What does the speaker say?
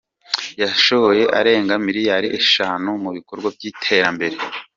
yashoye arenga miliyali eshanu mu bikorwa by’iterambere